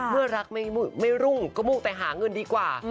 เมื่อรักไม่รุ่งก็มุ่งแต่หาเงินดีกว่า